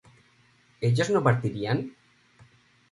¿ellos no partirían?